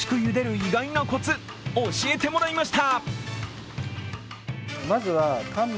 意外なコツ、教えてもらいました。